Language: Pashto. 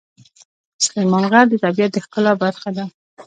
سلیمان غر د طبیعت د ښکلا برخه ده.